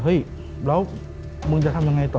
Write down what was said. เฮ้ยแล้วมึงจะทำยังไงต่อ